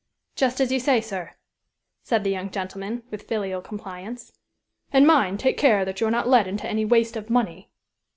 "Just as you say, sir," said the young gentleman, with filial compliance. "And mind, take care that you are not led into any waste of money."